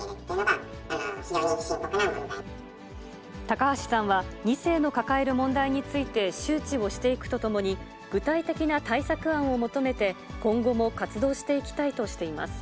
高橋さんは、２世の抱える問題について、周知をしていくとともに、具体的な対策案を求めて、今後も活動していきたいとしています。